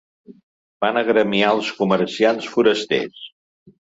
Van agremiar els comerciants forasters.